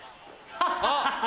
・あっ。